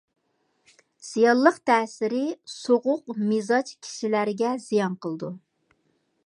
زىيانلىق تەسىرى: سوغۇق مىزاج كىشىلەرگە زىيان قىلىدۇ.